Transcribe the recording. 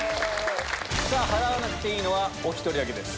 さぁ払わなくていいのはお１人だけです。